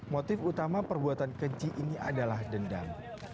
motif utama perbuatan keji ini adalah dendam